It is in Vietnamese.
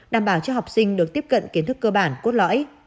đảm bảo cho học sinh được tiếp cận kiến thức cơ bản cốt lõi